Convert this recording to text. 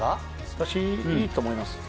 私、いいと思います。